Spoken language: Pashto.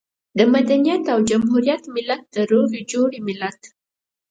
د مدنيت او جمهوريت ملت، د روغې جوړې ملت.